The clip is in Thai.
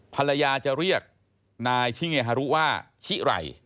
ภรรยาจะเรียกนายชิเงฮารุว่าชิไร